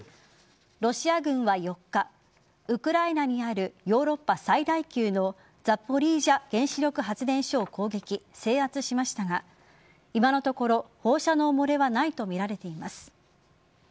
ロシア軍は４日ウクライナにあるヨーロッパ最大級のザポリージャ原子力発電所を攻撃し制圧しましたが今のところ、放射能漏れはないとみられています。